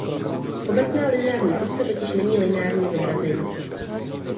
Obecná lineární funkce totiž "není" lineární zobrazení.